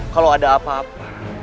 kalau ada apa apa